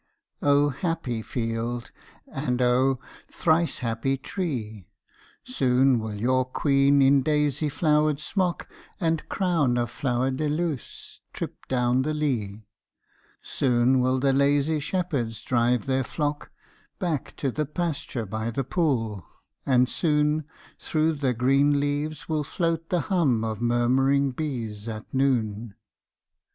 O happy field! and O thrice happy tree! Soon will your queen in daisy flowered smock And crown of flower de luce trip down the lea, Soon will the lazy shepherds drive their flock Back to the pasture by the pool, and soon Through the green leaves will float the hum of murmuring bees at noon.